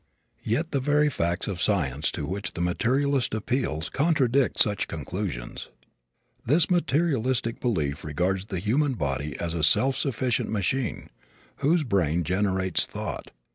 Yet the very facts of science to which the materialist appeals contradict such conclusions. This materialistic belief regards the human body as a self sufficient machine whose brain generates thought.